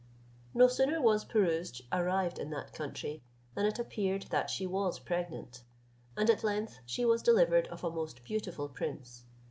No sooner was Pirouzč arrived in that country, than it appeared that she was pregnant, and at length she was delivered of a most beautiful prince.